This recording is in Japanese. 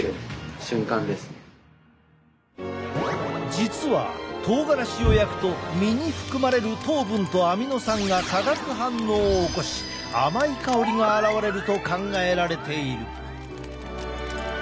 実はとうがらしを焼くと実に含まれる糖分とアミノ酸が化学反応を起こし甘い香りが現れると考えられている。